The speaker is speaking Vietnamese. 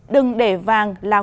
đừng để vàng là